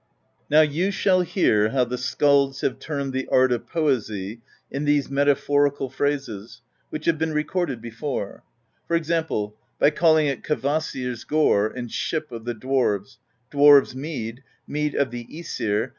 "Now you shall hear how the skalds have termed the art of poesy in these metaphorical phrases which have been recorded before: for example, by calling it Kvasir's Gore and Ship of the Dwarves, Dwarves' Mead, Mead of the ^sir.